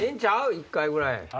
１回ぐらい。